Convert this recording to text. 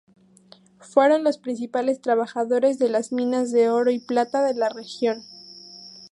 Fueron los principales trabajadores de las minas de oro y plata de la región.